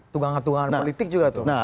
tugangan tugangan politik juga tuh